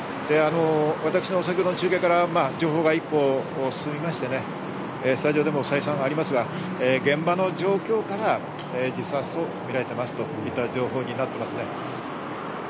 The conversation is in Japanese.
私の先ほどの中継から情報が一歩進みまして、スタジオでも再三ありますが、現場の状況から自殺とみられていますといった情報になっていますね。